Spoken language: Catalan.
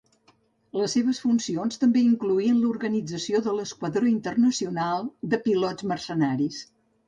Les seves funcions també incloïen l'organització de l'"Esquadró Internacional" de pilots mercenaris.